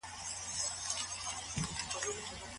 د وليمې دعوت منل پر مسلمان باندي څه حکم لري؟